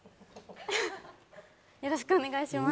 よろしくお願いします